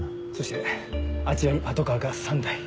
そしてあちらにパトカーが３台。